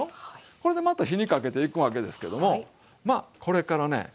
これでまた火にかけていくわけですけどもこれからね